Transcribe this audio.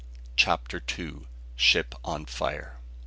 CHAPTER TWO. SHIP ON FIRE.